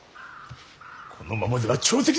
このままでは朝敵だぞ。